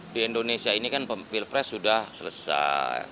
di indonesia ini kan pilpres sudah selesai